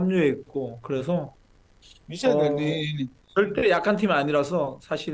apakah anda menurut anda bahwa guinea adalah tim yang lebih kuat